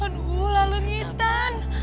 aduh lalu nyitan